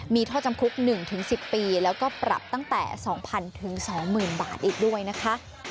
มีโทษจำคุก๑๑๐ปีแล้วก็ปรับตั้งแต่๒๐๐๒๐๐๐บาทอีกด้วยนะคะ